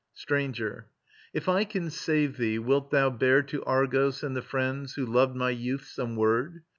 Stranger, if I can save thee, wilt thou bear To Argos and the friends who loved my youth Some word?